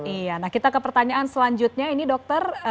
iya nah kita ke pertanyaan selanjutnya ini dokter